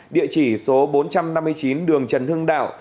địa chỉ số bốn trăm năm mươi chín đường trần hưng đạo